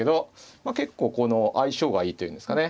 まあ結構相性がいいと言うんですかね。